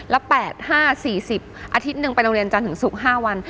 ละ๘๕๔๐อาทิตย์หนึ่งไปโรงเรียนจันทร์ถึงศุกร์๕วัน